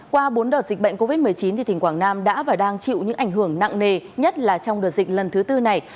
qua bốn đợt dịch bệnh covid một mươi chín tỉnh quảng nam đã và đang chịu những ảnh hưởng nặng nề nhất là trong đợt dịch lần thứ tư này